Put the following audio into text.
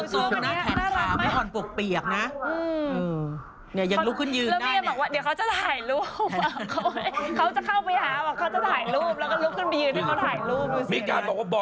โชคดีมากคิดว่าจะรู้สึกแก่งแล้ว